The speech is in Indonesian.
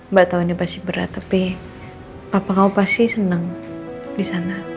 mbak tau ini pasti berat tapi papa kamu pasti seneng disana